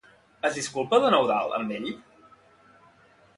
Es disculpa don Eudald amb ell?